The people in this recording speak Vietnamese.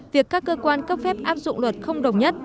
việc các cơ quan cấp phép áp dụng luật không đồng nhất